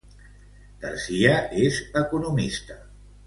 García és economista.